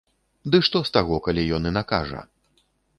Ды што з таго, калі ён і накажа?